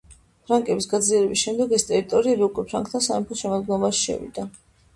ფრანკების გაძლიერების შემდეგ ეს ტერიტორიები უკვე ფრანკთა სამეფოს შემადგენლობაში შევიდა.